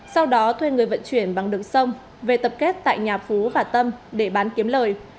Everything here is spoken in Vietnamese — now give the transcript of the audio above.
sau đó thuê người vận chuyển bằng đường sông về tập kết tại nhà phú và tâm để bán kiếm lời